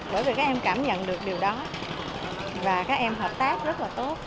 bởi vì các em cảm nhận được điều đó và các em hợp tác rất là tốt